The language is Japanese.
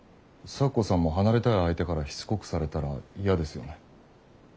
咲子さんも離れたい相手からしつこくされたら嫌ですよね？